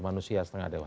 manusia setengah dewa